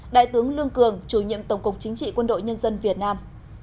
đại tướng lương cường chủ nhiệm tổng cục chính trị quân đội nhân dân việt nam